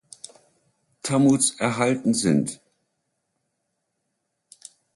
Tammuz erhalten sind.